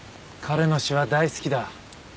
彼の詩は大好きだ。